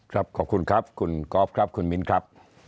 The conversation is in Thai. ขอบคุณครับคุณกอล์ฟครับคุณมิ้นครับ